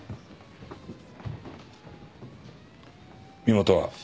身元は？